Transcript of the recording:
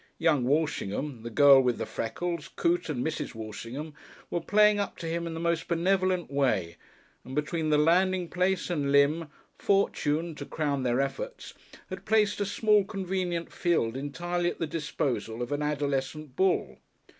Young Walshingham, the girl with the freckles, Coote and Mrs. Walshingham, were playing up to him in the most benevolent way, and between the landing place and Lympne, Fortune, to crown their efforts, had placed a small, convenient field entirely at the disposal of an adolescent bull.